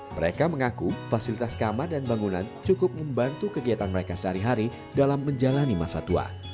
mereka mengaku fasilitas kamar dan bangunan cukup membantu kegiatan mereka sehari hari dalam menjalani masa tua